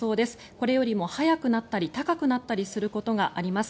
これよりも早くなったり高くなったりすることがあります。